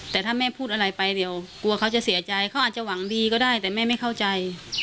แต่ถ้าแม่พูดอะไรไปเดี๋ยวกลัวเขาจะเสียใจเขาอาจจะหวังดีก็ได้แต่แม่ไม่เข้าใจ